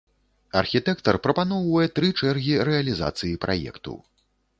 Архітэктар прапаноўвае тры чэргі рэалізацыі праекту.